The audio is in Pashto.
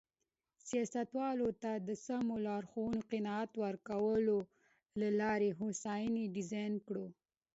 سیاستوالو ته د سمو لارښوونو قناعت ورکولو له لارې هوساینه ډیزاین کړو.